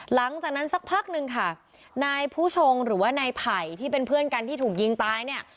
หลังจากนั้นสักพักนึงค่ะนายผู้ชงหรือว่านายไผ่ที่เป็นเพื่อนกันที่ถูกยิงตายเนี่ย